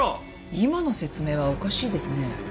今の説明はおかしいですね。